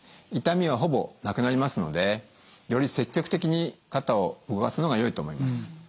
痛みはほぼなくなりますのでより積極的に肩を動かすのがよいと思います。